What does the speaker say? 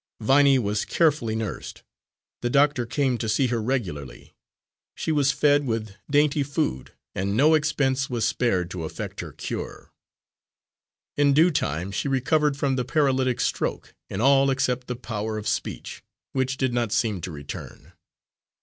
Viney was carefully nursed. The doctor came to see her regularly. She was fed with dainty food, and no expense was spared to effect her cure. In due time she recovered from the paralytic stroke, in all except the power of speech, which did not seem to return.